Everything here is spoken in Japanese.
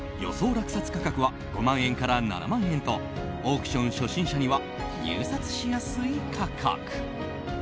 落札価格は５万円から７万円とオークション初心者には入札しやすい価格。